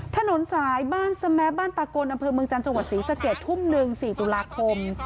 ถนนสายบ้านสแม้บ้านตากลอำเภอเมืองจันทร์จังหวัดศรีสะเกดทุ่มหนึ่ง๔ตุลาคม